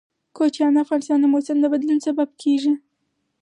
کوچیان د افغانستان د موسم د بدلون سبب کېږي.